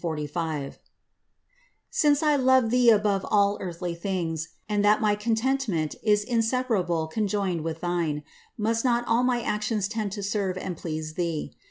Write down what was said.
* Since I love thee above all earthly things, and that my contentment is inse ptrablj conjoined with thine, must not all my actions tend to serve and please thfe